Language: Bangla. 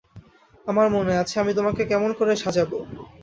আমার মনে আছে, আমি তোমাকে কেমন করে সাজাব।